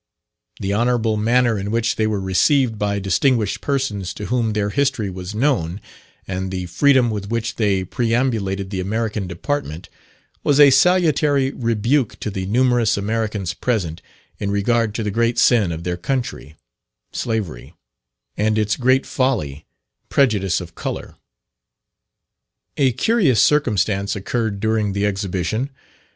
The honourable manner in which they were received by distinguished persons to whom their history was known, and the freedom with which they perambulated the American department, was a salutary rebuke to the numerous Americans present, in regard to the great sin of their country slavery; and its great folly prejudice of colour. A curious circumstance occurred during the Exhibition.